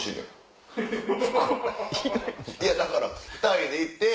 だから２人で行って。